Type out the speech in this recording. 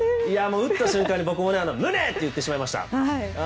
打った瞬間も僕もムネ！と言ってしまいました。